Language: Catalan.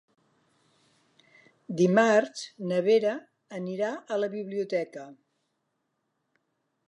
Dimarts na Vera anirà a la biblioteca.